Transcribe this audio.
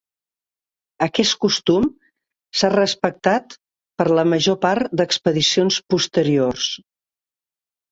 Aquest costum s'ha respectat per la major part d'expedicions posteriors.